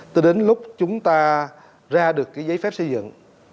từ đến lúc chúng ta ra được cái giấy phép xây dựng